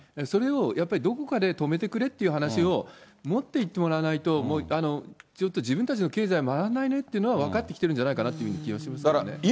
それをやっぱり、どこかで止めてくれっていう話をもっていってもらわないと、もうちょっと、自分たちの経済、回らないねというのは、分かってきてるんじゃないかなって気はしますけどね。